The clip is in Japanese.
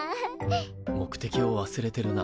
目的を忘れてるな。